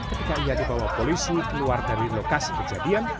ketika ia dibawa polisi keluar dari lokasi kejadian